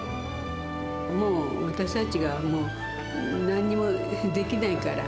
もう私たちが何もできないから。